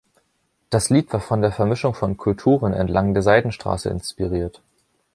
Das Lied war von der Vermischung von Kulturen entlang der Seidenstraße inspiriert.